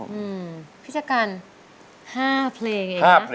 วิธีชะกัล๕เพลงอย่างนี้